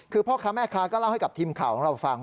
คือพ่อค้าแม่ค้าก็เล่าให้กับทีมข่าวของเราฟัง